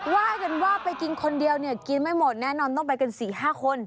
ว่ากันว่าไปกินคนเดียวเนี่ยกินไม่หมดแน่นอนต้องไปกัน๔๕คน